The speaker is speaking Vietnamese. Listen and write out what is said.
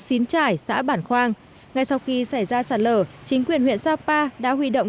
xín trải xã bản khoang ngay sau khi xảy ra sạt lở chính quyền huyện sapa đã huy động